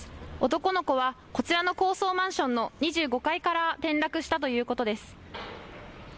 男の子はこちらの高層マンションの２５階から転落したということです。